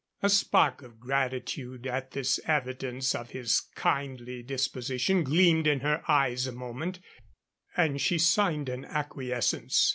A spark of gratitude at this evidence of his kindly disposition gleamed in her eyes a moment and she signed an acquiescence.